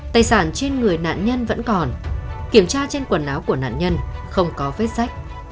tài sản trên người nạn nhân vẫn còn kiểm tra trên quần áo của nạn nhân không có vết sách